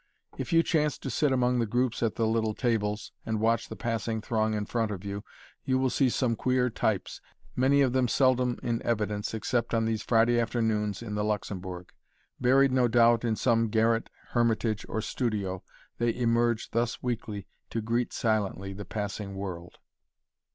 If you chance to sit among the groups at the little tables, and watch the passing throng in front of you, you will see some queer "types," many of them seldom en evidence except on these Friday afternoons in the Luxembourg. Buried, no doubt, in some garret hermitage or studio, they emerge thus weekly to greet silently the passing world.